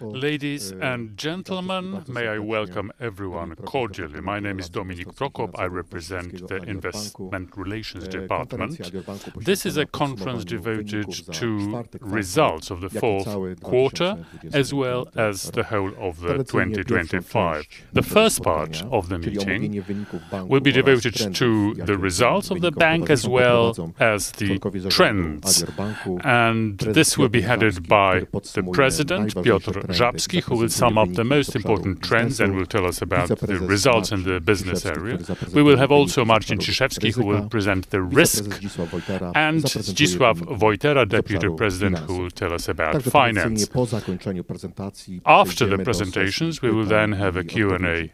Ladies and gentlemen, may I welcome everyone cordially. My name is Dominik Prokop. I represent the Investor Relations Department. This is a conference devoted to results of the fourth quarter, as well as the whole of 2025. The first part of the meeting will be devoted to the results of the bank, as well as the trends, and this will be headed by the President, Piotr Żabski, who will sum up the most important trends and will tell us about the results in the business area. We will have also Marcin Ciszewski, who will present the risk, and Deputy President, Zdzisław Wojtera, who will tell us about finance. After the presentations, we will then have a Q&A session.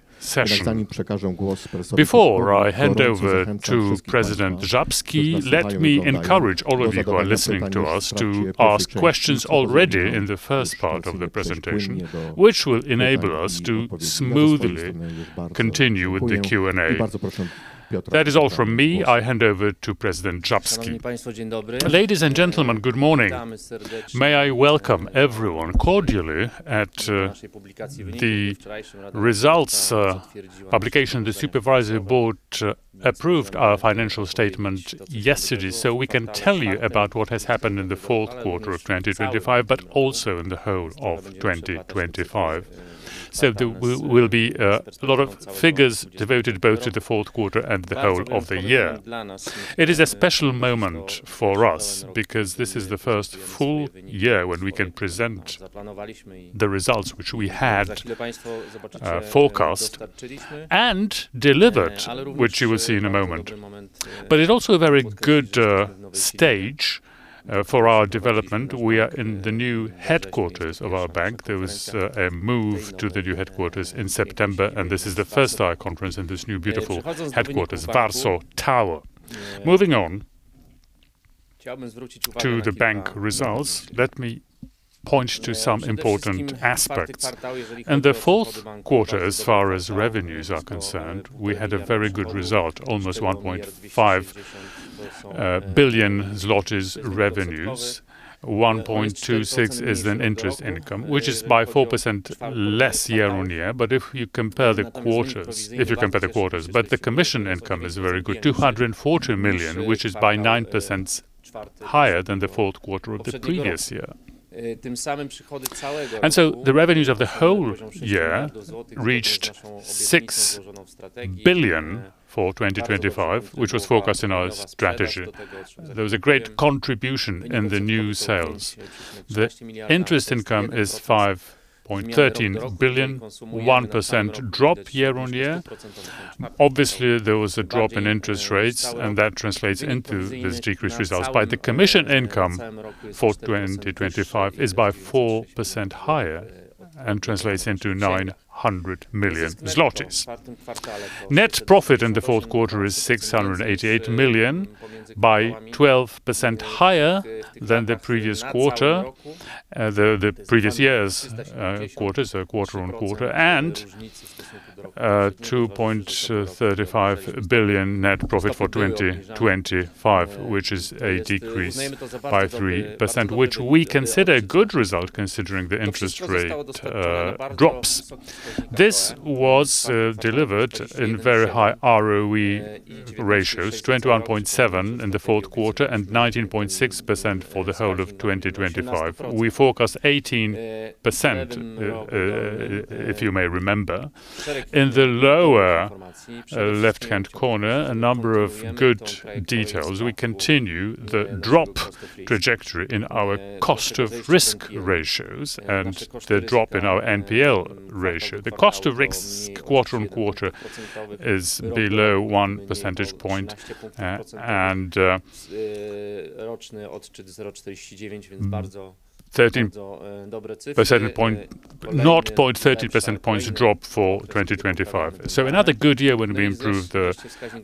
Before I hand over to President Żabski, let me encourage all of you who are listening to us to ask questions already in the first part of the presentation, which will enable us to smoothly continue with the Q&A. That is all from me. I hand over to President Żabski. Ladies and gentlemen, good morning. May I welcome everyone cordially at the results publication. The Supervisory Board approved our financial statement yesterday, so we can tell you about what has happened in the fourth quarter of 2025, but also in the whole of 2025. There will be a lot of figures devoted both to the fourth quarter and the whole of the year. It is a special moment for us because this is the first full year when we can present the results which we had forecast and delivered, which you will see in a moment. It's also a very good stage for our development. We are in the new headquarters of our bank. There was a move to the new headquarters in September, this is the first conference in this new, beautiful headquarters, Warsaw Tower. Moving on to the bank results, let me point to some important aspects. In the fourth quarter, as far as revenues are concerned, we had a very good result, almost 1.5 billion zlotys revenues. 1.26 billion is an interest income, which is by 4% less year-on-year. If you compare the quarters... The commission income is very good, 240 million, which is by 9% higher than the fourth quarter of the previous year. The revenues of the whole year reached 6 billion for 2025, which was focused in our strategy. There was a great contribution in the new sales. The interest income is 5.13 billion, a 1% drop year-on-year. Obviously, there was a drop in interest rates, and that translates into this decreased results. The commission income for 2025 is by 4% higher and translates into 900 million zlotys. Net profit in the fourth quarter is 688 million, by 12% higher than the previous quarter, the previous year's quarter, so quarter-on-quarter, and 2.35 billion net profit for 2025, which is a decrease by 3%, which we consider a good result, considering the interest rate drops. This was delivered in very high ROE ratios, 21.7% in the fourth quarter and 19.6% for the whole of 2025. We forecast 18%, if you may remember. In the lower left-hand corner, a number of good details. We continue the drop trajectory in our cost of risk ratios and the drop in our NPL ratio. The cost of risk, quarter-on-quarter, is below 1 percentage point. 0.30 percent points drop for 2025. Another good year when we improved the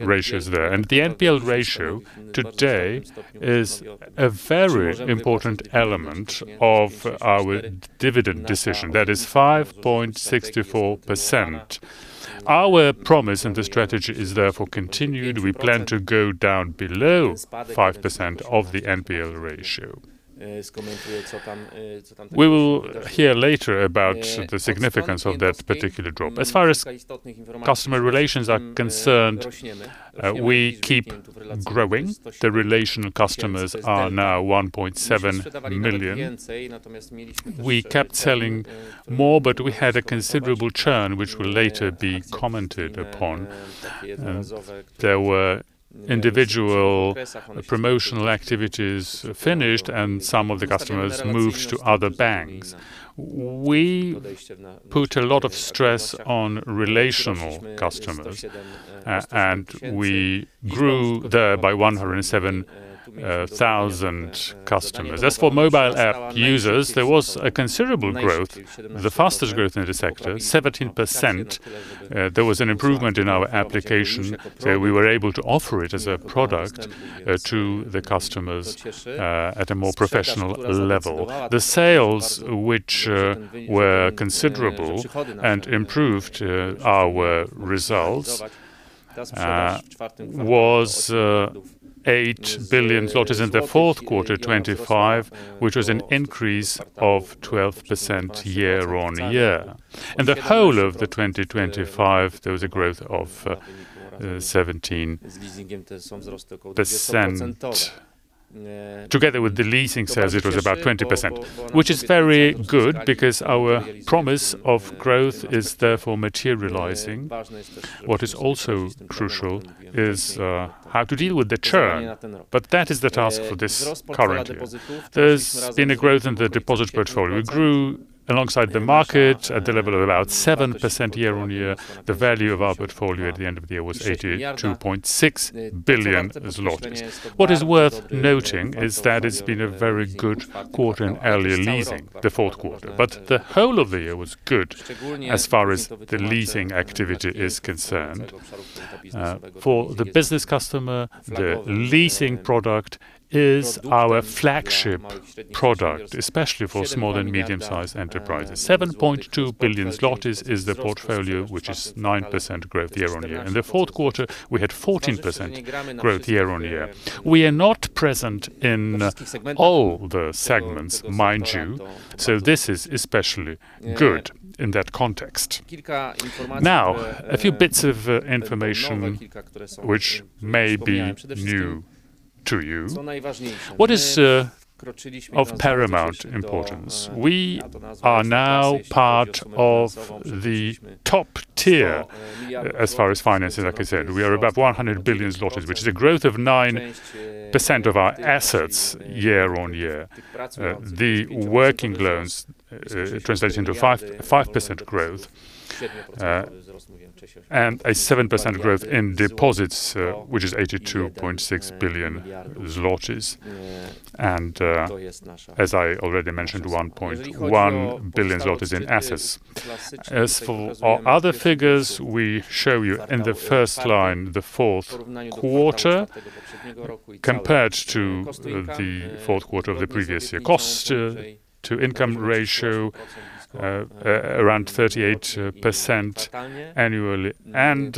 ratios there. The NPL ratio today is a very important element of our dividend decision. That is 5.64%. Our promise in the strategy is therefore continued. We plan to go down below 5% of the NPL ratio. We will hear later about the significance of that particular drop. As far as customer relations are concerned, we keep growing. The relational customers are now 1.7 million. We kept selling more, but we had a considerable churn, which will later be commented upon. There were individual promotional activities finished, and some of the customers moved to other banks. We put a lot of stress on relational customers, and we grew there by 107 thousand customers. As for mobile app users, there was a considerable growth, the fastest growth in the sector, 17%. There was an improvement in our application, we were able to offer it as a product to the customers at a more professional level. The sales, which were considerable and improved our results, was 8 billion in the fourth quarter 2025, which was an increase of 12% year-on-year. In the whole of 2025, there was a growth of 17%. Together with the leasing sales, it was about 20%, which is very good because our promise of growth is therefore materializing. What is also crucial is how to deal with the churn, but that is the task for this current year. There's been a growth in the deposit portfolio, grew alongside the market at the level of about 7% year-on-year. The value of our portfolio at the end of the year was 82.6 billion zlotys. What is worth noting is that it's been a very good quarter in early leasing, the fourth quarter. The whole of the year was good as far as the leasing activity is concerned. For the business customer, the leasing product is our flagship product, especially for small and medium-sized enterprises. 7.2 billion zlotys is the portfolio, which is 9% growth year-on-year. In the fourth quarter, we had 14% growth year-on-year. We are not present in all the segments, mind you, so this is especially good in that context. Now, a few bits of information which may be new to you. What is of paramount importance? We are now part of the top tier as far as finances are concerned. We are above 100 billion zlotys, which is a growth of 9% of our assets year-on-year. The working loans translates into 5.5% growth and a 7% growth in deposits, which is 82.6 billion zlotys. As I already mentioned, 1.1 billion zlotys in assets. As for our other figures, we show you in the first line, the fourth quarter, compared to the fourth quarter of the previous year. Cost-income ratio, around 38% annually and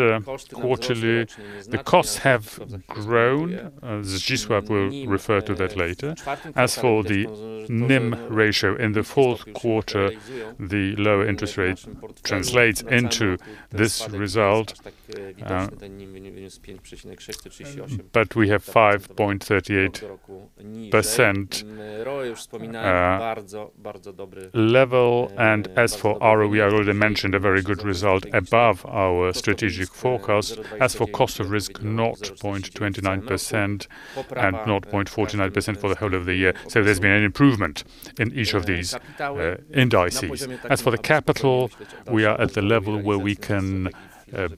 quarterly, the costs have grown. Zdzisław will refer to that later. As for the NIM ratio, in the fourth quarter, the lower interest rate translates into this result. We have 5.38% level. As for ROE, we already mentioned a very good result above our strategic forecast. As for cost of risk, 0.29% and 0.49% for the whole of the year. There's been an improvement in each of these indices. As for the capital, we are at the level where we can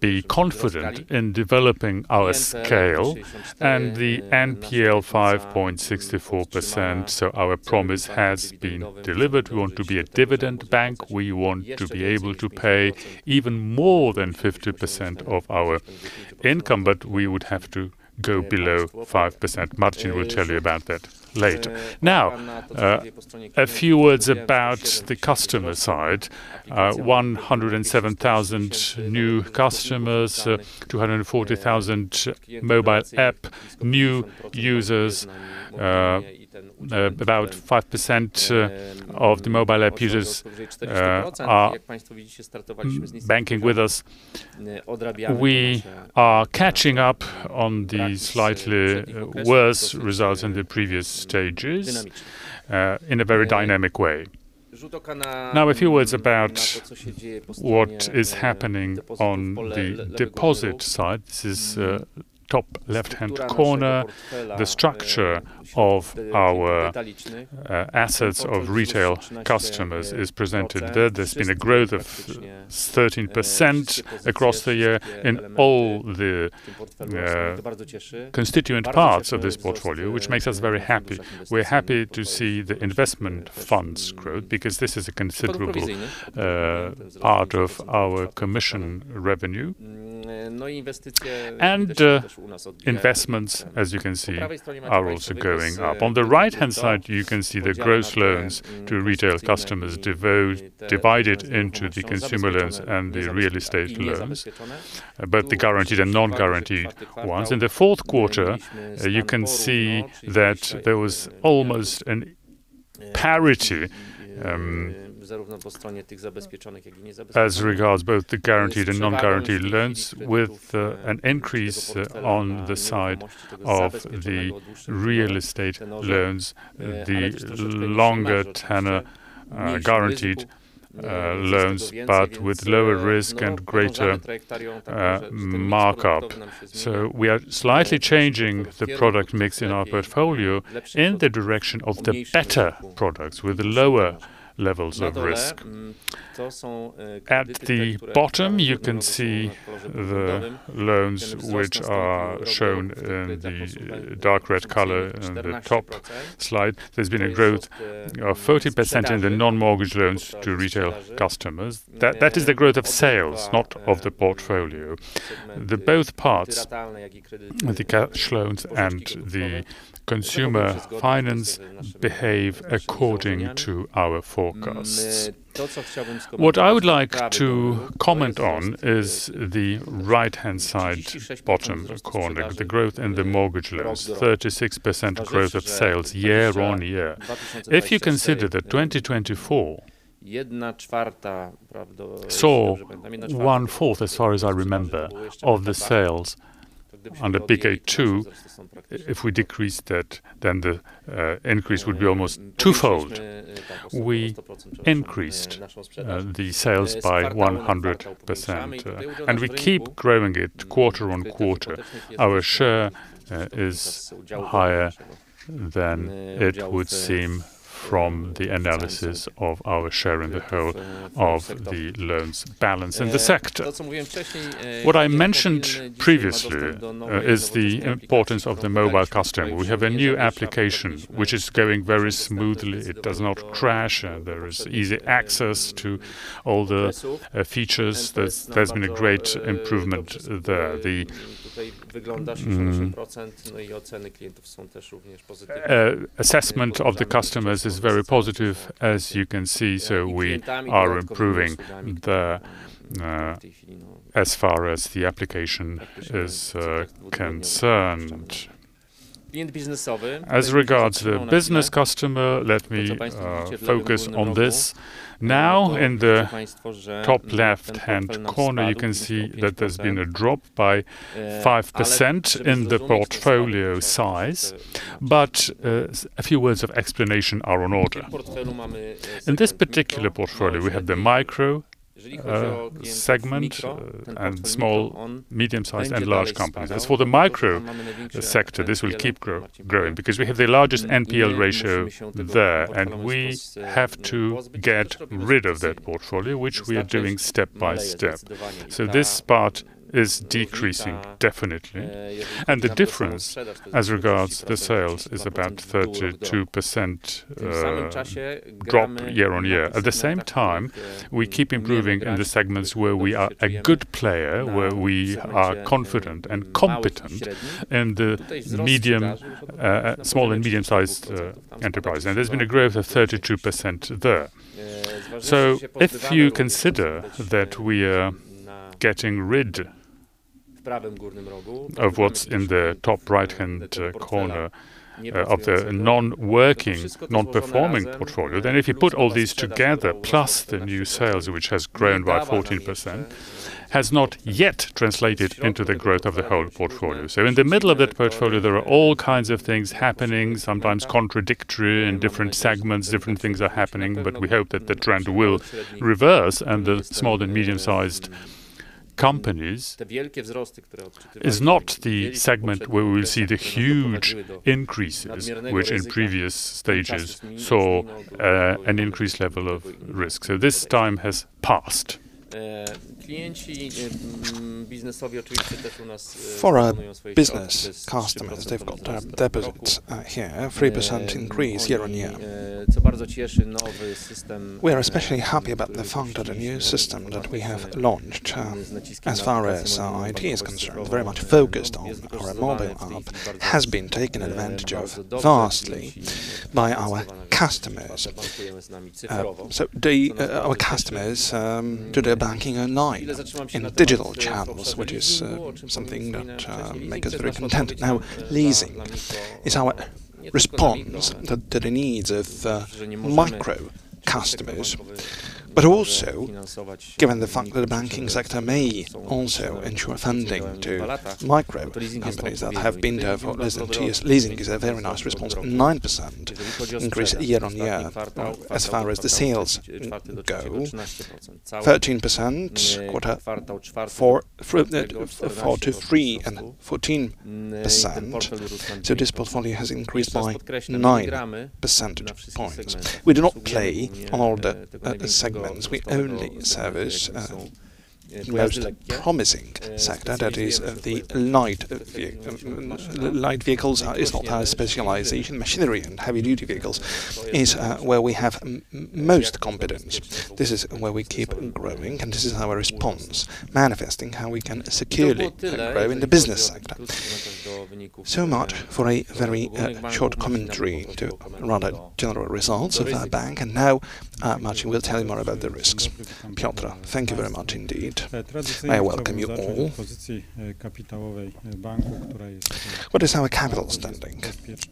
be confident in developing our scale and the NPL, 5.64%, so our promise has been delivered. We want to be a dividend bank. We want to be able to pay even more than 50% of our income, but we would have to go below 5%. Marcin will tell you about that later. Now, a few words about the customer side. 107,000 new customers, 240,000 mobile app new users. About 5% of the mobile app users are banking with us. We are catching up on the slightly worse results in the previous stages in a very dynamic way. Now, a few words about what is happening on the deposit side. This is top left-hand corner. The structure of our assets of retail customers is presented there. There's been a growth of 13% across the year in all the constituent parts of this portfolio, which makes us very happy. We're happy to see the investment funds growth, because this is a considerable part of our commission revenue. Investments, as you can see, are also going up. On the right-hand side, you can see the gross loans to retail customers divided into the consumer loans and the real estate loans, both the guaranteed and non-guaranteed ones. In the fourth quarter, you can see that there was almost a parity as regards both the guaranteed and non-guaranteed loans, with an increase on the side of the real estate loans, the longer tenor, guaranteed loans, but with lower risk and greater markup. We are slightly changing the product mix in our portfolio in the direction of the better products with the lower levels of risk. At the bottom, you can see the loans which are shown in the dark red color on the top slide. There's been a growth of 40% in the non-mortgage loans to retail customers. That is the growth of sales, not of the portfolio. The both parts, the cash loans and the consumer finance, behave according to our forecasts. What I would like to comment on is the right-hand side bottom corner, the growth in the mortgage loans, 36% growth of sales year-over-year. If you consider that 2024 saw 1/4, as far as I remember, of the sales under BK2, if we decrease that, then the increase would be almost twofold. We increased the sales by 100% and we keep growing it quarter-on-quarter. Our share is higher than it would seem from the analysis of our share in the whole of the loans balance in the sector. What I mentioned previously is the importance of the mobile customer. We have a new application, which is going very smoothly. It does not crash, there is easy access to all the features. There's been a great improvement there. The assessment of the customers is very positive, as you can see, so we are improving the as far as the application is concerned. As regards the business customer, let me focus on this. Now, in the top left-hand corner, you can see that there's been a drop by 5% in the portfolio size, but a few words of explanation are in order. In this particular portfolio, we have the micro segment and small, medium-sized, and large companies. As for the micro sector, this will keep growing because we have the largest NPL ratio there, and we have to get rid of that portfolio, which we are doing step by step. This part is decreasing, definitely. The difference, as regards the sales, is about 32% drop year-on-year. At the same time, we keep improving in the segments where we are a good player, where we are confident and competent in the medium, small and medium-sized enterprise. There's been a growth of 32% there. If you consider that we are getting rid of what's in the top right-hand corner of the non-working, non-performing portfolio, then if you put all these together, plus the new sales, which has grown by 14%, has not yet translated into the growth of the whole portfolio. In the middle of that portfolio, there are all kinds of things happening, sometimes contradictory. In different segments, different things are happening, but we hope that the trend will reverse, and the small and medium-sized companies is not the segment where we will see the huge increases, which in previous stages saw an increased level of risk. This time has passed. For our business customers, they've got their deposits here, a 3% increase year on year. We are especially happy about the fact that the new system that we have launched, as far as our IT is concerned, very much focused on our mobile app, has been taken advantage of vastly by our customers. Our customers do their banking online in digital channels, which is something that make us very content. Now, leasing is our response to the needs of micro customers. Also, given the fact that the banking sector may also ensure funding to micro companies that have been there for over two years, leasing is a very nice response, 9% increase year on year. As far as the sales go, 13%, quarter four, four to three and 14%. This portfolio has increased by 9 percentage points. We do not play on all the segments. We only service, we have a promising sector, that is, the light vehicles is not our specialization. Machinery and heavy-duty vehicles is where we have most competence. This is where we keep growing, and this is our response, manifesting how we can securely grow in the business sector. Much for a very short commentary to rather general results of our bank. Now, Marcin will tell you more about the risks. Piotr, thank you very much indeed. I welcome you all. What is our capital standing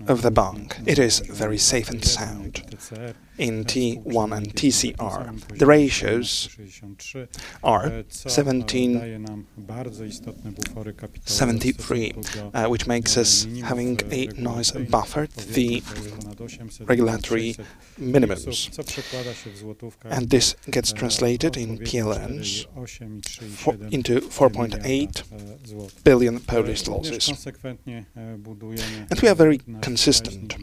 of the bank? It is very safe and sound. In T1 and TCR, the ratios are 17.73%, which makes us having a nice buffer, the regulatory minimums. This gets translated in PLN into 4.8 billion PLN. We are very consistent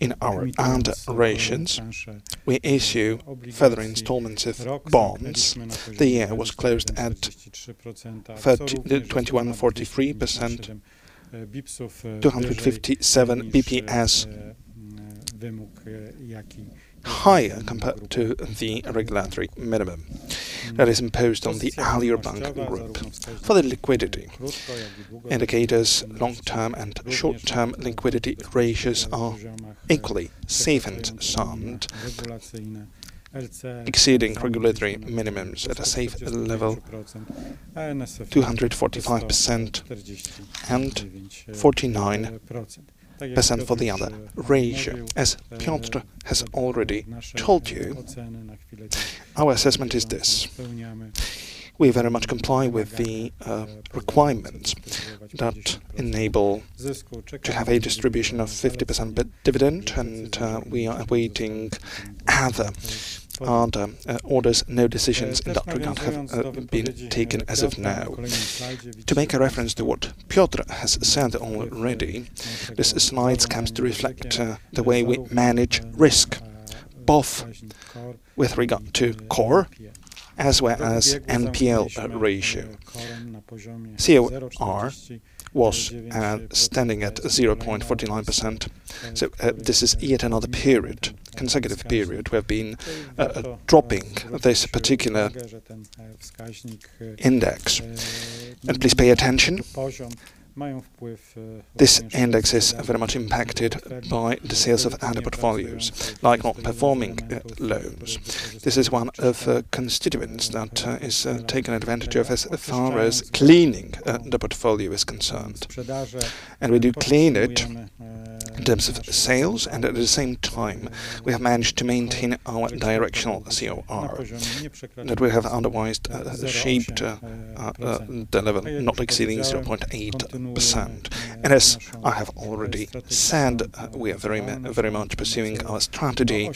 in our under rations. We issue further installments of bonds. The year was closed at 21.43%, 257 basis points higher compared to the regulatory minimum that is imposed on the Alior Bank Group. For the liquidity indicators, long-term and short-term liquidity ratios are equally safe and sound, exceeding regulatory minimums at a safe level, 245% and 49% for the other ratio. As Piotr has already told you, our assessment is this: We very much comply with the requirements that enable to have a distribution of 50%, but dividend, and we are awaiting other orders, no decisions that regard have been taken as of now. To make a reference to what Piotr has said already, this slide comes to reflect the way we manage risk, both with regard to CoR as well as NPL ratio. CoR was standing at 0.49%. This is yet another period, consecutive period, we have been dropping this particular index. Please pay attention, this index is very much impacted by the sales of other portfolios, like not performing loans. This is one of constituents that is taken advantage of as far as cleaning the portfolio is concerned. We do clean it in terms of sales, at the same time, we have managed to maintain our directional CoR, that we have otherwise shaped the level not exceeding 0.8%. As I have already said, we are very much pursuing our strategy,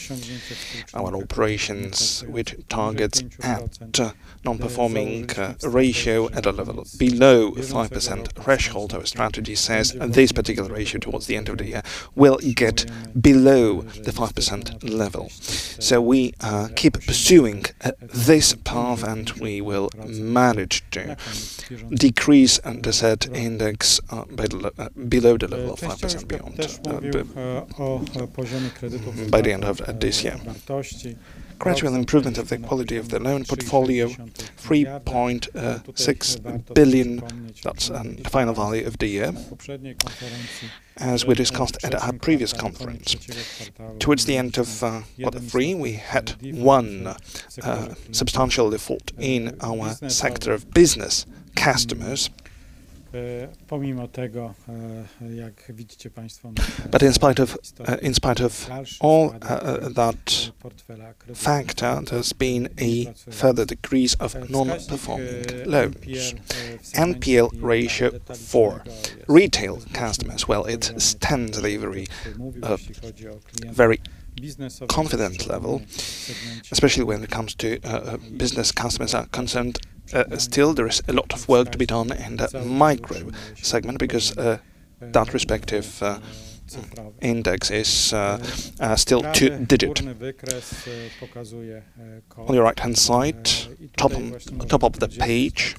our operations, which targets at non-performing ratio at a level below 5% threshold. Our strategy says this particular ratio towards the end of the year will get below the 5% level. We keep pursuing this path, and we will manage to decrease the said index below the level of 5% beyond the by the end of this year. Gradual improvement of the quality of the loan portfolio, 3.6 billion, that's the final value of the year. As we discussed at our previous conference, towards the end of Q3, we had one substantial default in our sector of business customers. But in spite of, in spite of all that factor, there's been a further decrease of normal performing loans. NPL ratio for retail customers, well, it stands at a very, very confident level, especially when it comes to business customers are concerned. Still, there is a lot of work to be done in the micro segment because that respective index is still two-digit. On your right-hand side, top of the page,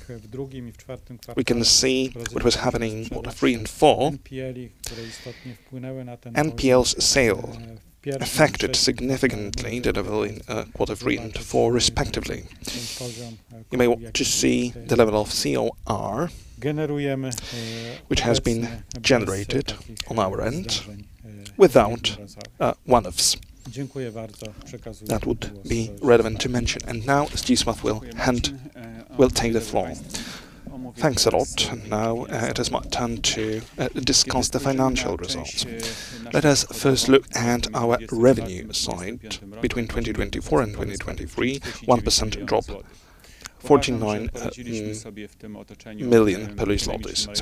we can see what was happening Q3 and Q4. NPLs sale affected significantly the level in Q3 and Q4, respectively. You may want to see the level of CoR, which has been generated on our end without one-offs. That would be relevant to mention. Now, Zdzisław will take the floor. Thanks a lot. Now, it is my turn to discuss the financial results. Let us first look at our revenue side. Between 2024 and 2023, 1% drop, 49 million.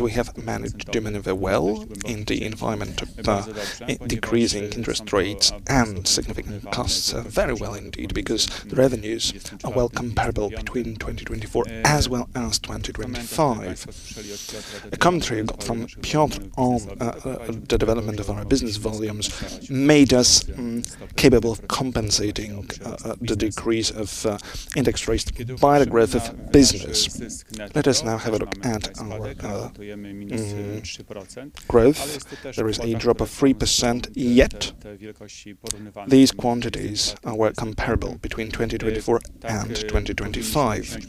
We have managed to do very well in the environment of decreasing interest rates and significant costs. Very well indeed, because the revenues are well comparable between 2024 as well as 2025. A commentary from Piotr on the development of our business volumes made us capable of compensating the decrease of interest rates by the growth of business. Let us now have a look at our growth. There is a drop of 3%, yet these quantities are well comparable between 2024 and 2025.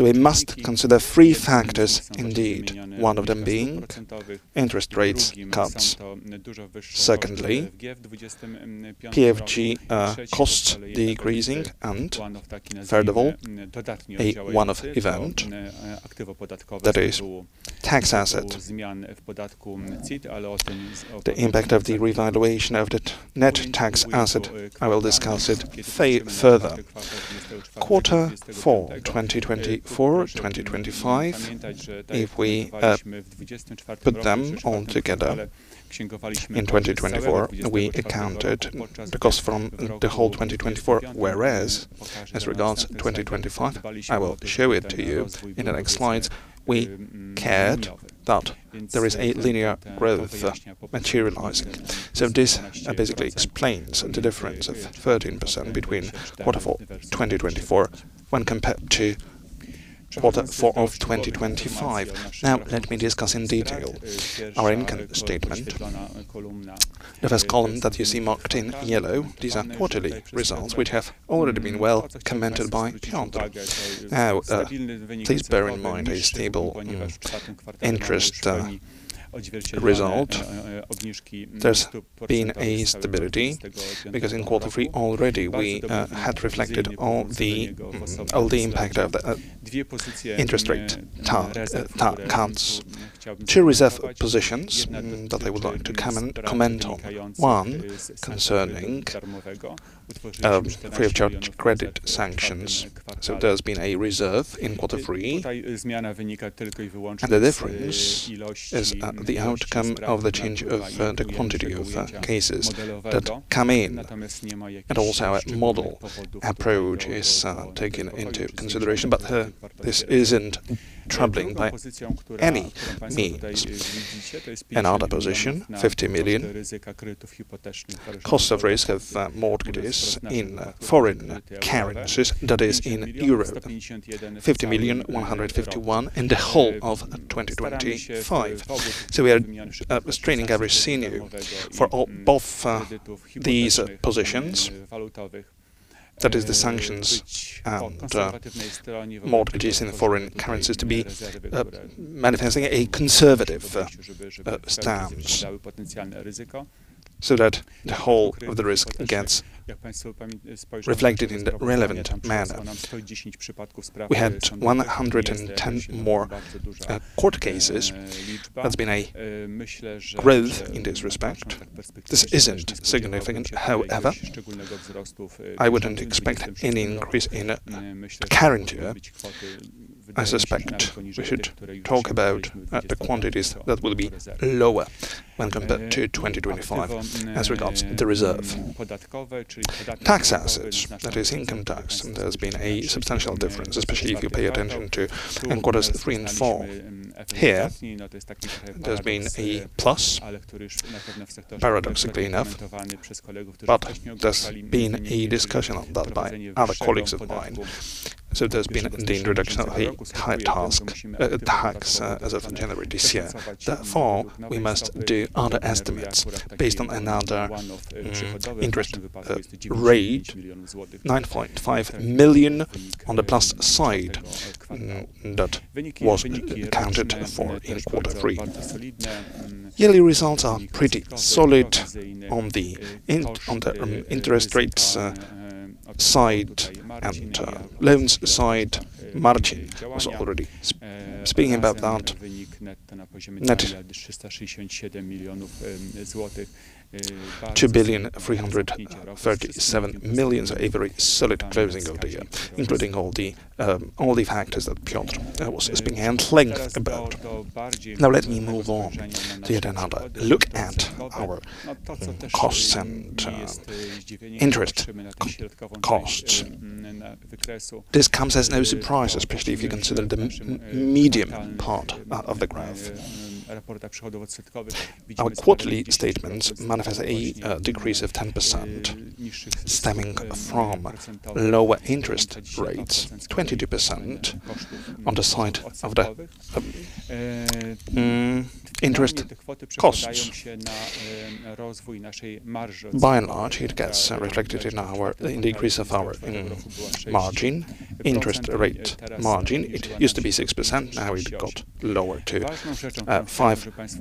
We must consider three factors indeed. One of them being interest rates cuts. Secondly, PFG cost decreasing, and third of all, a one-off event. That is, tax asset. The impact of the revaluation of the net tax asset, I will discuss it further. quarter four, 2024, 2025. If we put them all together, in 2024, we accounted the costs from the whole 2024, whereas as regards 2025, I will show it to you in the next slides, we cared that there is a linear growth materializing. This basically explains the difference of 13% between quarter four, 2024, when compared to quarter four of 2025. Let me discuss in detail our income statement. The first column that you see marked in yellow, these are quarterly results, which have already been well commented by Piotr. Please bear in mind a stable interest result. There's been a stability, because in quarter three already, we had reflected all the impact of the interest rate cuts. Two reserve positions that I would like to comment on. One, concerning free of charge credit sanctions. There's been a reserve in quarter three. The difference is the outcome of the change of the quantity of cases that come in, and also a model approach is taken into consideration. This isn't troubling by any means. Another position, 50 million. Costs of risk of mortgages in foreign currencies, that is in Euro. 50,151,000 in the whole of 2025. We are straining every senior for all both these positions. That is the sanctions and mortgages in foreign currencies to be manifesting a conservative stance, so that the whole of the risk gets reflected in the relevant manner. We had 110 more court cases. That's been a growth in this respect. This isn't significant, however. I wouldn't expect any increase in current year. I suspect we should talk about the quantities that will be lower when compared to 2025 as regards the reserve. Tax assets, that is income tax, there's been a substantial difference, especially if you pay attention to in Q3 and Q4. Here, there's been a plus, paradoxically enough. There's been a discussion on that by other colleagues of mine. There's been the introduction of a Bank Tax as of January this year. Therefore, we must do other estimates based on another interest rate, 9.5 million on the plus side, that was accounted for in quarter three. Yearly results are pretty solid on the interest rates side and loans side. Marcin was already speaking about that. Net, 2.337 billion is a very solid closing of the year, including all the factors that Piotr was speaking at length about. Now, let me move on to yet another look at our costs and interest cost. This comes as no surprise, especially if you consider the medium part of the graph. Our quarterly statements manifest a decrease of 10%, stemming from lower interest rates, 22% on the side of the interest costs. By and large, it gets reflected in the increase of our margin, interest rate margin. It used to be 6%, now it got lower to 5.38%. Please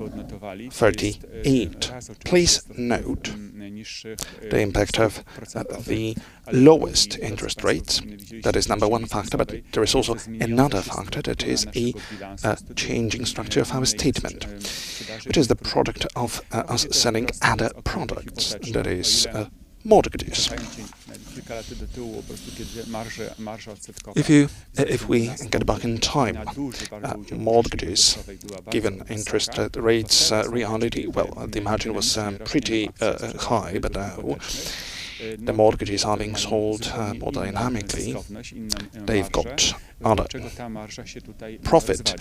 note the impact of the lowest interest rates. That is one factor. There is also another factor that is a changing structure of our statement, which is the product of us selling other products, that is, mortgages. If we get back in time, mortgages, given interest rates, reality, well, the margin was pretty high, but the mortgages are being sold more dynamically. They've got other profit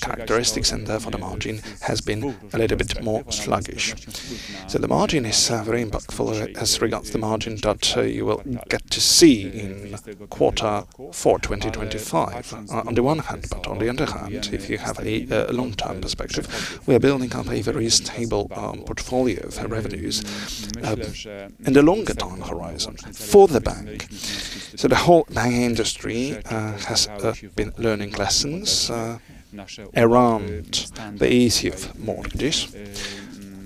characteristics, and therefore, the margin has been a little bit more sluggish. The margin is very impactful as regards the margin that you will get to see in Q4 2025, on the one hand. On the other hand, if you have a long-term perspective, we are building up a very stable portfolio for revenues in the longer time horizon for the bank. The whole banking industry has been learning lessons around the issue of mortgages.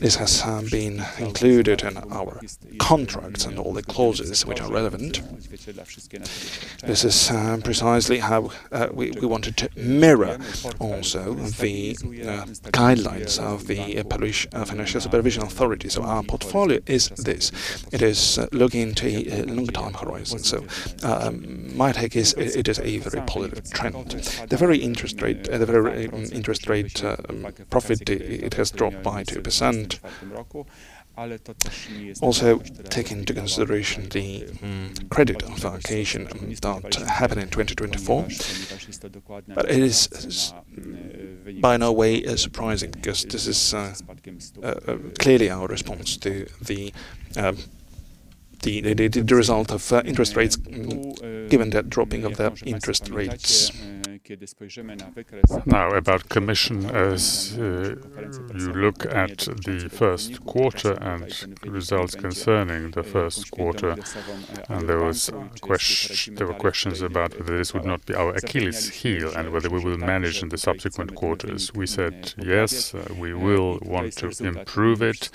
This has been included in our contracts and all the clauses which are relevant. This is precisely how we wanted to mirror also the guidelines of the Polish Financial Supervisory Authority. Our portfolio is this. It is looking into a longer time horizon. My take is, it is a very positive trend. The very interest rate, the very interest rate profit, it has dropped by 2%. Also, take into consideration the credit allocation that happened in 2024. It is by no way surprising, because this is clearly our response to the result of interest rates, given that dropping of the interest rates. Now, about commission, as you look at the first quarter and results concerning the first quarter, there were questions about whether this would not be our Achilles heel and whether we will manage in the subsequent quarters. We said, "Yes, we will want to improve it."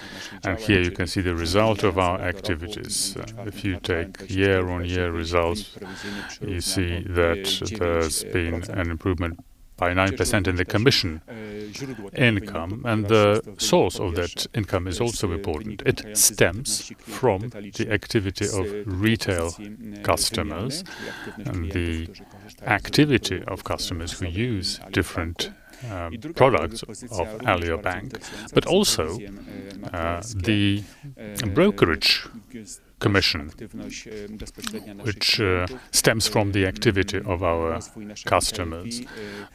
Here you can see the result of our activities. If you take year-on-year results, you see that there's been an improvement by 9% in the commission income. The source of that income is also important. It stems from the activity of retail customers and the activity of customers who use different products of Alior Bank, also the brokerage commission, which stems from the activity of our customers,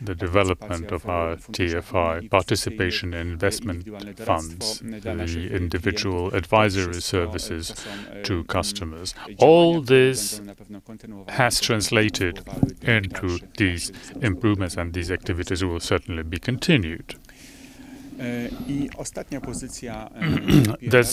the development of our TFI participation in investment funds, the individual advisory services to customers. All this has translated into these improvements. These activities will certainly be continued. There's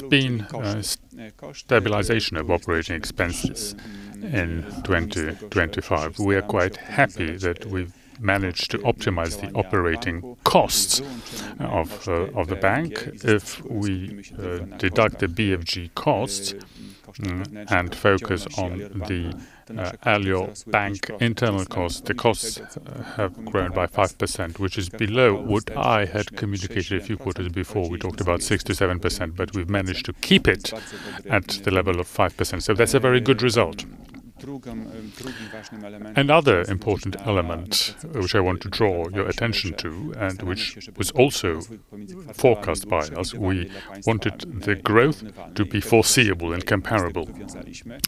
been a stabilization of operating expenses in 2025. We are quite happy that we've managed to optimize the operating costs of the bank. If we deduct the BFG costs and focus on the Alior Bank internal costs, the costs have grown by 5%, which is below what I had communicated a few quarters before. We talked about 6%-7%. We've managed to keep it at the level of 5%, so that's a very good result. Another important element, which I want to draw your attention to, and which was also forecast by us, we wanted the growth to be foreseeable and comparable,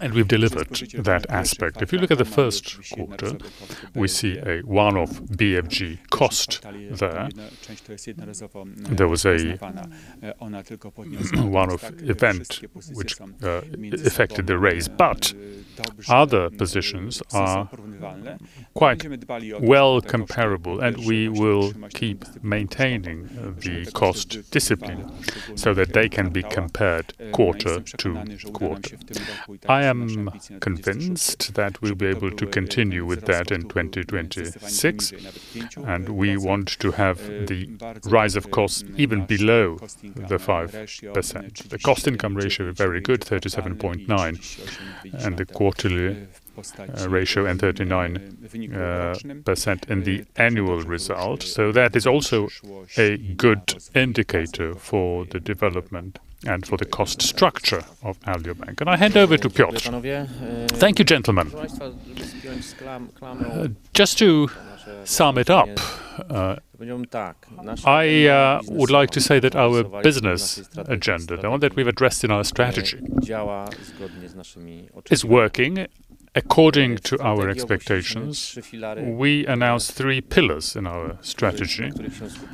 and we've delivered that aspect. If you look at the first quarter, we see a one-off BFG cost there. There was a one-off event which affected the raise, but other positions are quite well comparable, and we will keep maintaining the cost discipline so that they can be compared quarter to quarter. I am convinced that we'll be able to continue with that in 2026, and we want to have the rise of costs even below the 5%. The cost-income ratio is very good, 37.9%, and the quarterly ratio and 39% in the annual result. That is also a good indicator for the development and for the cost structure of Alior Bank. I hand over to Piotr. Thank you, gentlemen. Just to sum it up, I would like to say that our business agenda, the one that we've addressed in our strategy, is working according to our expectations. We announced three pillars in our strategy,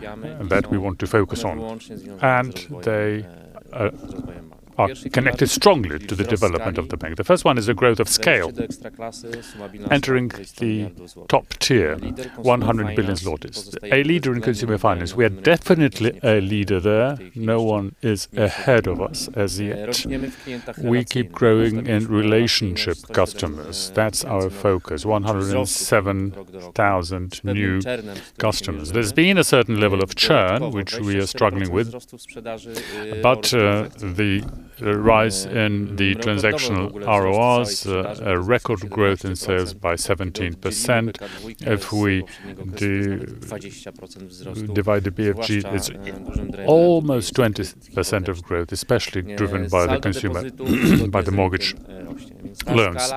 and that we want to focus on, and they are connected strongly to the development of the bank. The first one is the growth of scale, entering the top tier, 100 billion. A leader in consumer finance. We are definitely a leader there. No one is ahead of us as yet. We keep growing in relationship customers. That's our focus, 107,000 new customers. There's been a certain level of churn, which we are struggling with, but the rise in the transactional RORs, a record growth in sales by 17%. If we divide the BFG, it's almost 20% of growth, especially driven by the consumer, by the mortgage loans.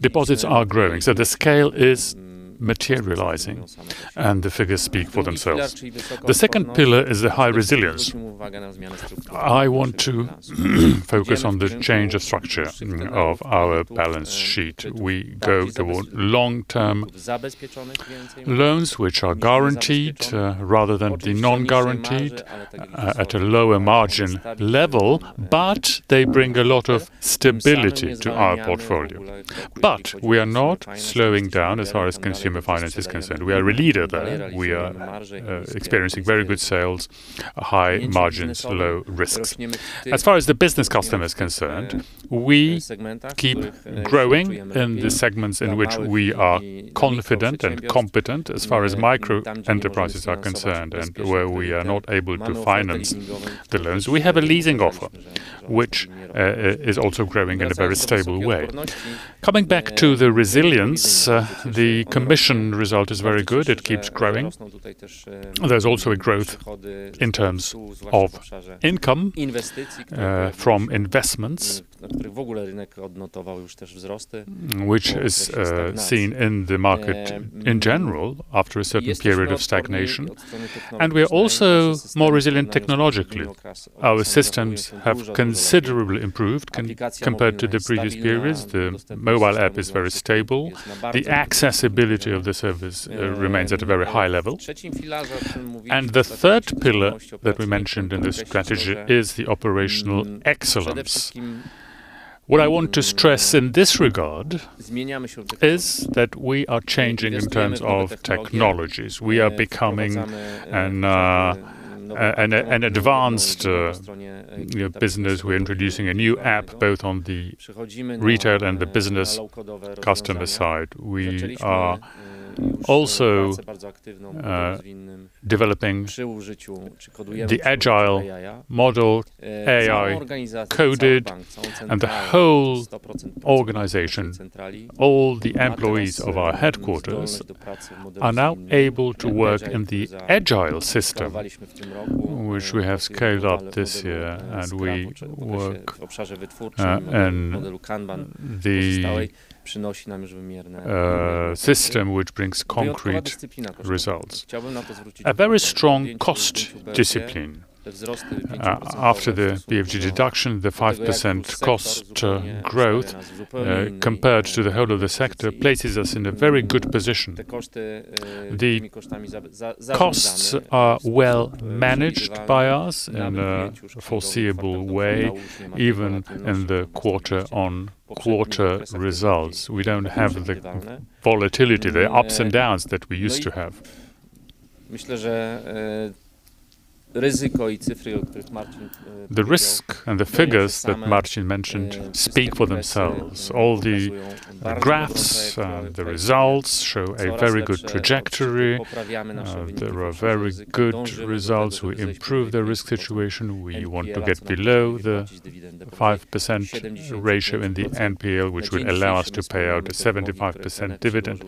Deposits are growing, so the scale is materializing, and the figures speak for themselves. The second pillar is the high resilience. I want to focus on the change of structure of our balance sheet. We go toward long-term loans, which are guaranteed, rather than the non-guaranteed, at a lower margin level, they bring a lot of stability to our portfolio. We are not slowing down as far as consumer finance is concerned. We are a leader there. We are experiencing very good sales, high margins, low risks. As far as the business customer is concerned, we keep growing in the segments in which we are confident and competent as far as micro-enterprises are concerned and where we are not able to finance the loans. We have a leasing offer, which is also growing in a very stable way. Coming back to the resilience, the commission result is very good. It keeps growing. There's also a growth in terms of income from investments, which is seen in the market in general after a certain period of stagnation. We are also more resilient technologically. Our systems have considerably improved compared to the previous periods. The mobile app is very stable. The accessibility of the service remains at a very high level. The third pillar that we mentioned in the strategy is the operational excellence. What I want to stress in this regard, is that we are changing in terms of technologies. We are becoming an advanced, you know, business. We're introducing a new app both on the retail and the business customer side. We are also developing the Agile model, AI coded, and the whole organization, all the employees of our headquarters, are now able to work in the Agile system, which we have scaled up this year, and we work in the system, which brings concrete results. A very strong cost discipline. After the BFG deduction, the 5% cost growth compared to the whole of the sector, places us in a very good position. The costs are well managed by us in a foreseeable way, even in the quarter-on-quarter results. We don't have the volatility, the ups and downs that we used to have. The risk and the figures that Marcin mentioned speak for themselves. All the graphs and the results show a very good trajectory. There are very good results. We improved the risk situation. We want to get below the 5% ratio in the NPL, which will allow us to pay out a 75% dividend.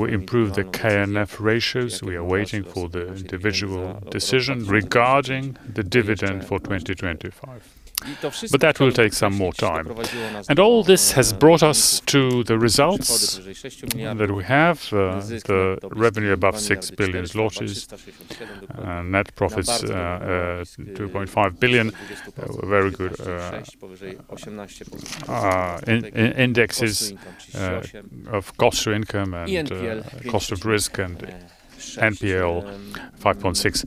We improved the KNF ratios. We are waiting for the individual decision regarding the dividend for 2025. That will take some more time. All this has brought us to the results that we have. The revenue above 6 billion zlotys, and net profits, 2.5 billion. Very good indexes of cost to income and cost of risk, and NPL 5.6%.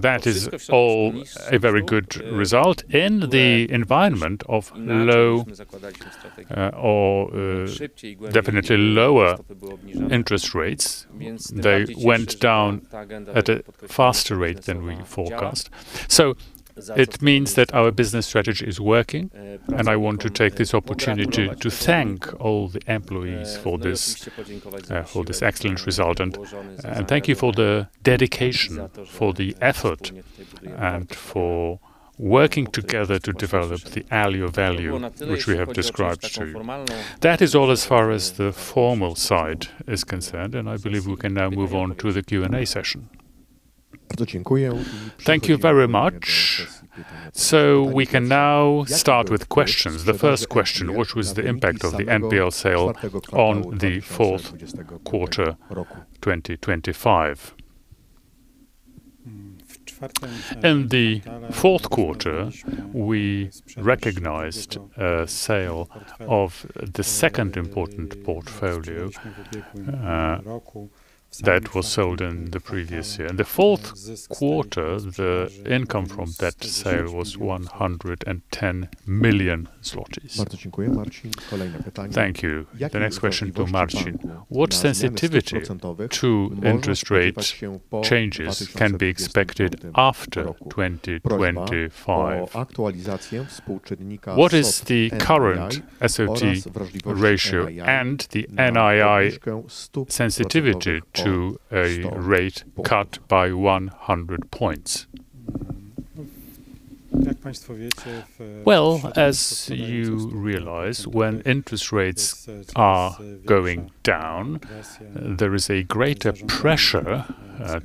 That is all a very good result in the environment of low or definitely lower interest rates. They went down at a faster rate than we forecast. It means that our business strategy is working, and I want to take this opportunity to thank all the employees for this, for this excellent result, and thank you for the dedication, for the effort, and for working together to develop the Alior value, which we have described to you. That is all as far as the formal side is concerned. I believe we can now move on to the Q&A session. Thank you very much. We can now start with questions. The first question: What was the impact of the NPL sale on the fourth quarter, 2025? In the fourth quarter, we recognized a sale of the second important portfolio that was sold in the previous year. In the fourth quarter, the income from that sale was 110 million zlotys. Thank you. The next question to Marcin: What sensitivity to interest rate changes can be expected after 2025? What is the current SOT ratio and the NII sensitivity to a rate cut by 100 points? Well, as you realize, when interest rates are going down, there is a greater pressure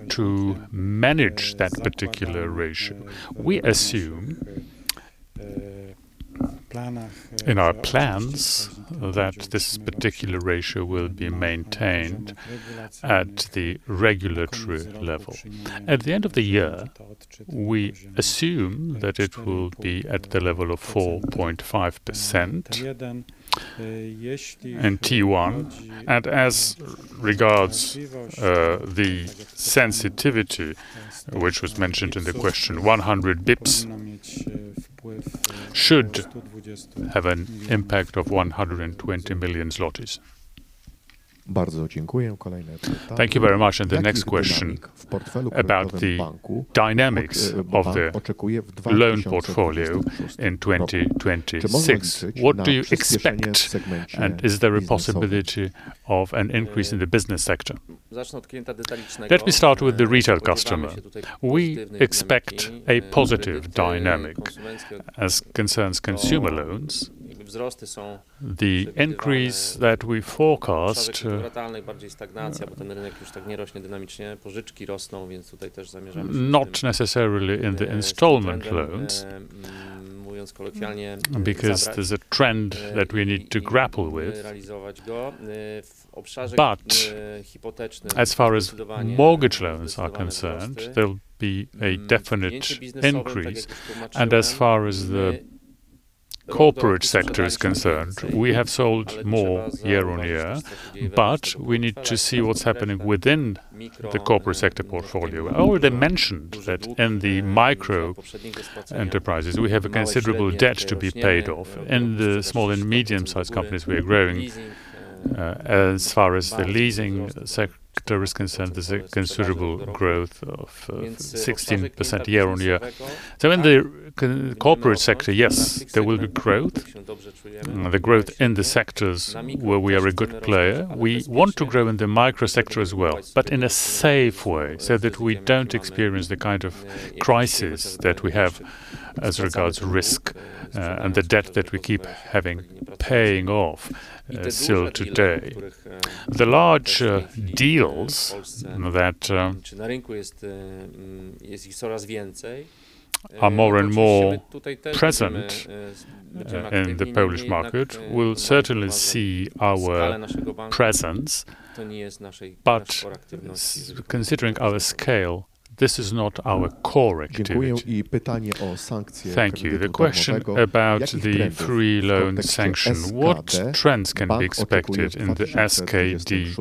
to manage that particular ratio. We assume in our plans, that this particular ratio will be maintained at the regulatory level. At the end of the year, we assume that it will be at the level of 4.5% in T1. As regards the sensitivity, which was mentioned in the question, 100 basis points should have an impact of 120 million zlotys. Thank you very much. The next question about the dynamics of the loan portfolio in 2026. What do you expect, and is there a possibility of an increase in the business sector? Let me start with the retail customer. We expect a positive dynamic as concerns consumer loans. The increase that we forecast, not necessarily in the installment loans, because there's a trend that we need to grapple with. As far as mortgage loans are concerned, there'll be a definite increase. As far as the corporate sector is concerned, we have sold more year-on-year, but we need to see what's happening within the corporate sector portfolio. I already mentioned that in the micro enterprises, we have a considerable debt to be paid off. In the small and medium-sized companies, we are growing. As far as the leasing sector is concerned, there's a considerable growth of 16% year-on-year. In the corporate sector, yes, there will be growth, the growth in the sectors where we are a good player. We want to grow in the micro sector as well, but in a safe way, so that we don't experience the kind of crisis that we have as regards risk, and the debt that we keep having paying off, still today. The large deals that are more and more present in the Polish market will certainly see our presence, but considering our scale, this is not our core activity. Thank you. The question about the free loan sanction, what trends can be expected in the SKD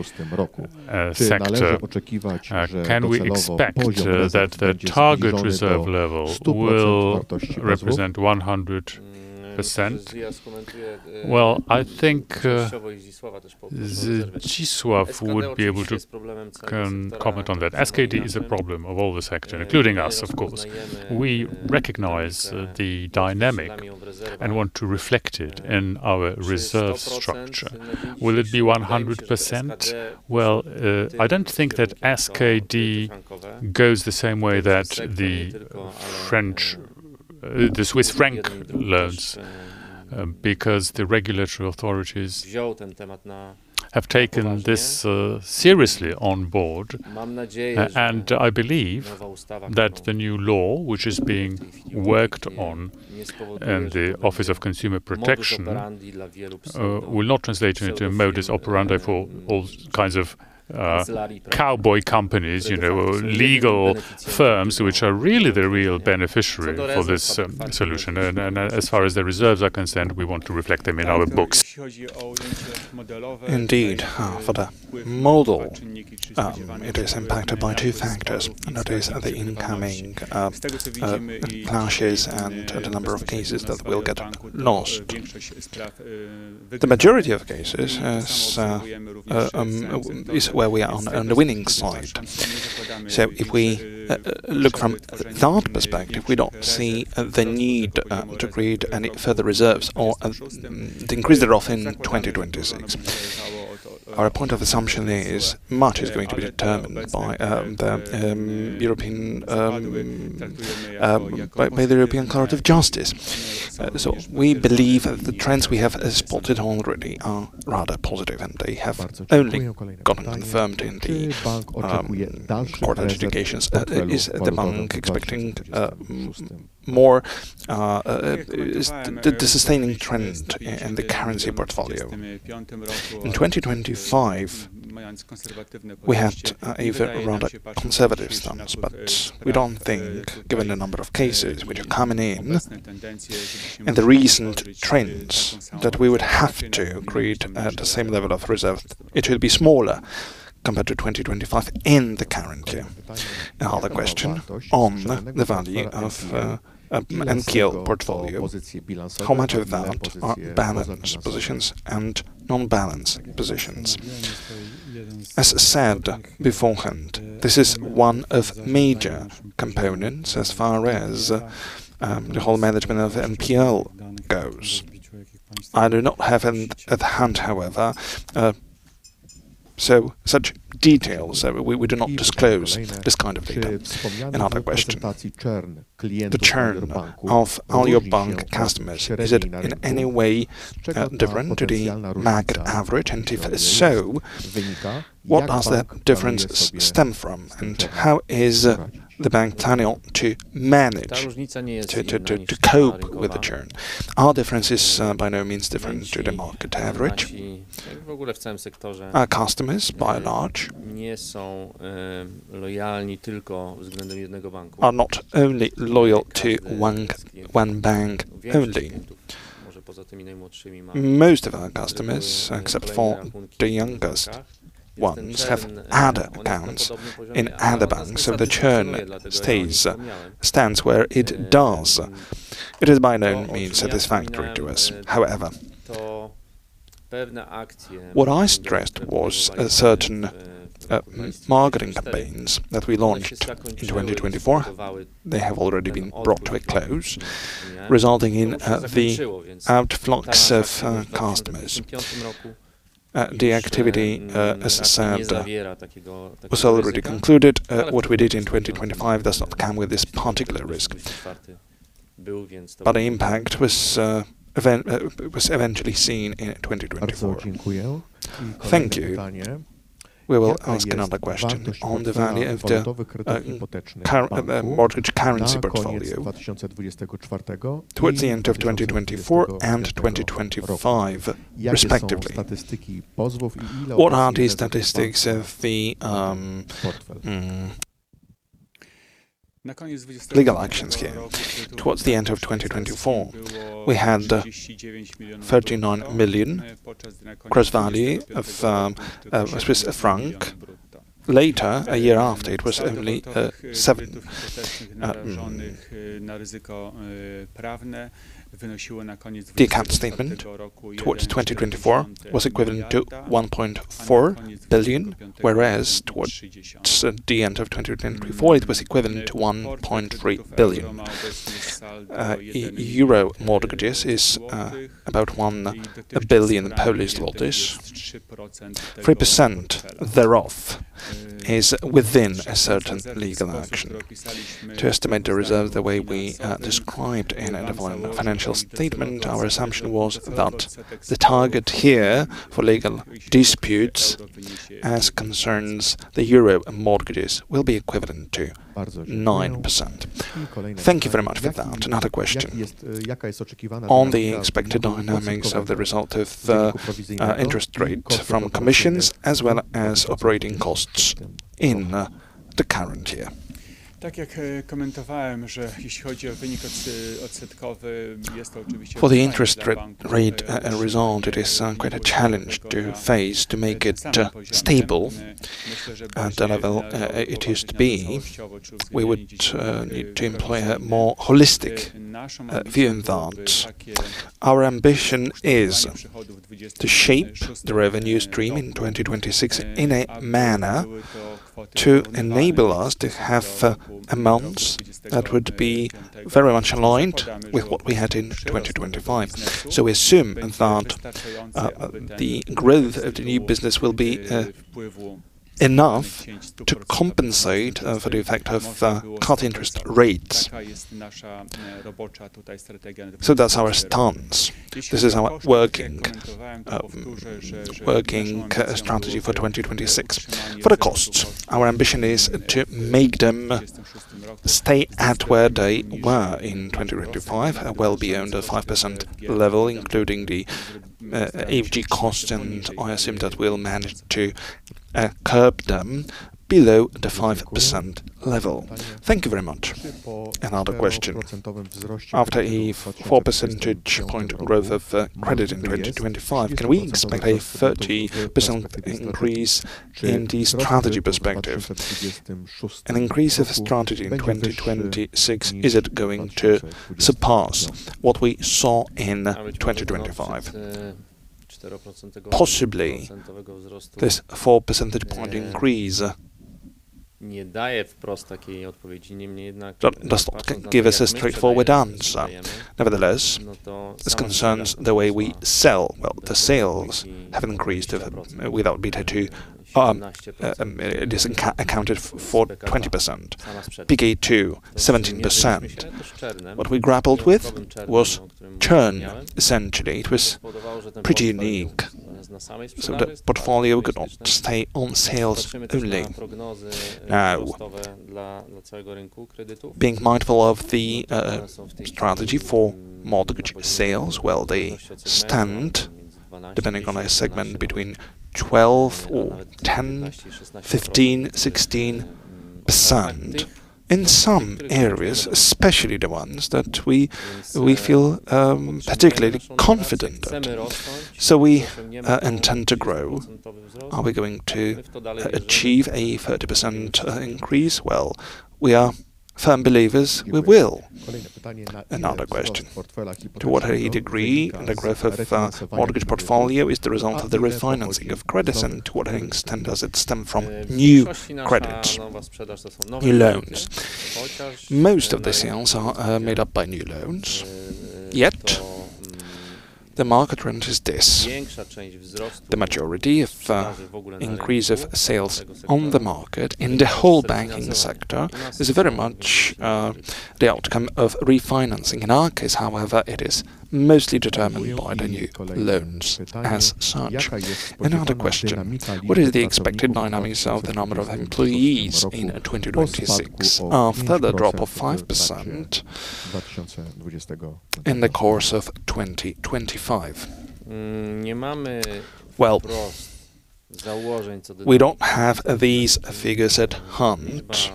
sector? Can we expect that the target reserve level will represent 100%? Well, I think Zdzisław can comment on that. SKD is a problem of all the sector, including us, of course. We recognize the dynamic and want to reflect it in our reserve structure. Will it be 100%? Well, I don't think that SKD goes the same way that the Swiss franc loans because the regulatory authorities have taken this seriously on board. I believe that the new law, which is being worked on in the Office of Competition and Consumer Protection, will not translate into a modus operandi for all kinds of cowboy companies, you know, or legal firms, which are really the real beneficiary for this solution. As far as the reserves are concerned, we want to reflect them in our books. Indeed, for the model, it is impacted by two factors, and that is the incoming launches and the number of cases that will get lost. The majority of cases, as, is where we are on the winning side. If we look from that perspective, we don't see the need to create any further reserves or to increase thereof in 2026. Our point of assumption is much is going to be determined by the European Court of Justice. We believe that the trends we have spotted already are rather positive, and they have only gotten confirmed in the court adjudications. Is the bank expecting more the sustaining trend in the currency portfolio? In 2025, we had a very rather conservative stance, but we don't think, given the number of cases which are coming in, and the recent trends, that we would have to create the same level of reserve. It will be smaller compared to 2025 in the currency. The question on the value of NPL portfolio, how much of that are balanced positions and non-balanced positions? As said beforehand, this is one of major components as far as the whole management of NPL goes. I do not have it at hand, however, such details, we do not disclose this kind of data. Question. The churn of Alior Bank customers, is it in any way different to the market average? If so, what does the difference stem from, and how is the bank planning to manage, to cope with the churn? Our difference is by no means different to the market average. Our customers, by and large, are not only loyal to one bank only. Most of our customers, except for the youngest ones, have other accounts in other banks, so the churn stays stands where it does. It is by no means satisfactory to us. What I stressed was a certain marketing campaigns that we launched in 2024. They have already been brought to a close, resulting in the outflux of customers. The activity, as I said, was already concluded. What we did in 2025 does not come with this particular risk. The impact was eventually seen in 2024. Thank you. We will ask another question on the value of the current mortgage currency portfolio. Towards the end of 2024 and 2025, respectively. What are the statistics of the legal action scheme? Towards the end of 2024, we had 39 million gross value of Swiss franc. Later, a year after, it was only 7 million. The account statement towards 2024 was equivalent to 1.4 billion, whereas towards the end of 2024, it was equivalent to 1.3 billion. Euro mortgages is about 1 billion Polish zlotys. 3% thereof is within a certain legal action. To estimate the reserve, the way we described in our financial statement, our assumption was that the target here for legal disputes, as concerns the Euro mortgages, will be equivalent to 9%. Thank you very much for that. Another question. On the expected dynamics of the result of the interest rate from commissions, as well as operating costs in the current year. For the interest rate result, it is quite a challenge to face to make it stable at the level it used to be. We would need to employ a more holistic view in that. Our ambition is to shape the revenue stream in 2026 in a manner to enable us to have amounts that would be very much aligned with what we had in 2025. We assume that the growth of the new business will be enough to compensate for the effect of cut interest rates. That's our stance. This is our working strategy for 2026. For the costs, our ambition is to make them stay at where they were in 2025, well beyond the 5% level, including the average cost. I assume that we'll manage to curb them below the 5% level. Thank you very much. Another question: After a 4 percentage point growth of credit in 2025, can we expect a 30% increase in the strategy perspective? An increase of strategy in 2026, is it going to surpass what we saw in 2025? Possibly, this 4 percentage point increase does give us a straightforward answer. Nevertheless, this concerns the way we sell. Well, the sales have increased of without BK2, it is accounted for 20%, BK2, 17%. What we grappled with was churn. Essentially, it was pretty unique, so the portfolio could not stay on sales only. Being mindful of the strategy for mortgage sales, well, they stand depending on a segment between 12% or 10%, 15%, 16%. In some areas, especially the ones that we feel particularly confident at. We intend to grow. Are we going to achieve a 30% increase? Well, we are firm believers we will. Another question: To what a degree the growth of mortgage portfolio is the result of the refinancing of credits, and to what extent does it stem from new credits, new loans? Most of the sales are made up by new loans, yet the market trend is this: The majority of increase of sales on the market, in the whole banking sector, is very much the outcome of refinancing. In our case, however, it is mostly determined by the new loans as such. Another question: What is the expected dynamics of the number of employees in 2026, after the drop of 5% in the course of 2025? Well, we don't have these figures at hand.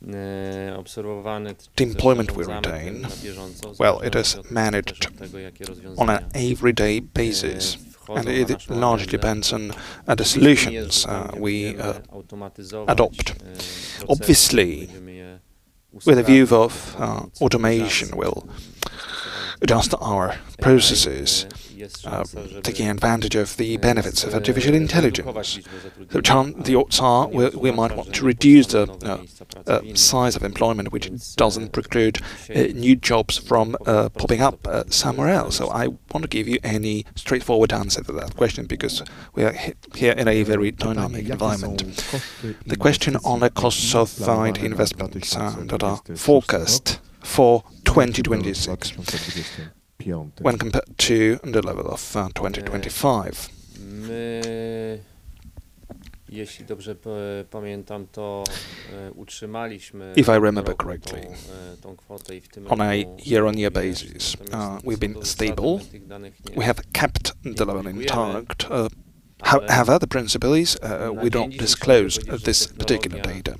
The employment we maintain, well, it is managed on an everyday basis, and it largely depends on the solutions we adopt. Obviously, with a view of automation, we'll adjust our processes, taking advantage of the benefits of artificial intelligence. The odds are we might want to reduce the size of employment, which doesn't preclude new jobs from popping up somewhere else. I won't give you any straightforward answer to that question, because we are here in a very dynamic environment. The question on the costs of IT investments that are forecast for 2026 when compared to the level of 2025. If I remember correctly, on a year-on-year basis, we've been stable. We have kept the level intact. However, the principles, we don't disclose of this particular data.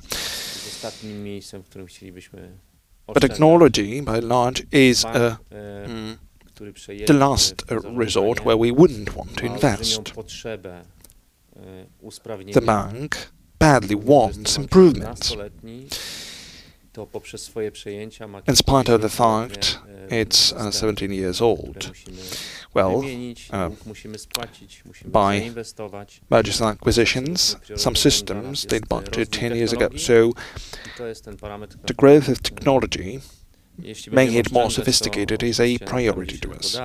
Technology, by and large, is the last resort where we wouldn't want to invest. The Bank badly wants improvements. In spite of the fact, it's 17 years old. By mergers and acquisitions, some systems date back to 10 years ago. The growth of technology, making it more sophisticated, is a priority to us.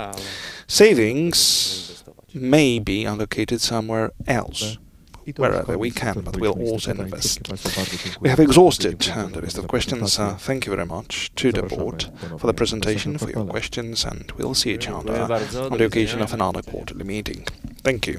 Savings may be allocated somewhere else, wherever we can, but we'll also invest. We have exhausted the list of questions. Thank you very much to the board for the presentation, for your questions. We'll see each other on the occasion of another quarterly meeting. Thank you.